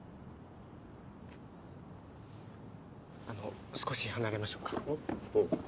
あの少し離れましょうかおっ？